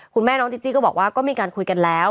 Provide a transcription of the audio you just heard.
คุณแม่น้องจิจี้ก็บอกว่าก็มีการคุยกันแล้ว